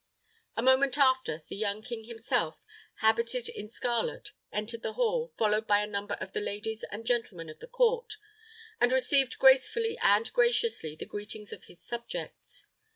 A moment after, the young king himself, habited in scarlet, entered the hall, followed by a number of the ladies and gentlemen of the court, and received gracefully and graciously the greetings of his subjects.